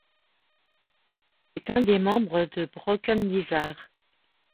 C’est un des membres de Broken Lizard.